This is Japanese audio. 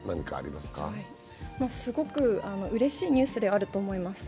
すごくうれしいニュースではあると思います。